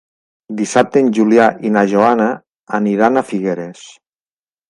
Dissabte en Julià i na Joana aniran a Figueres.